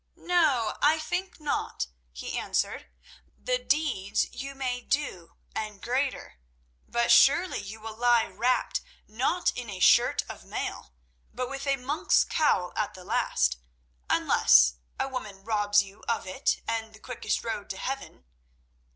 "No, I think not," he answered; "the deeds you may do, and greater, but surely you will lie wrapped not in a shirt of mail, but with a monk's cowl at the last—unless a woman robs you of it and the quickest road to heaven.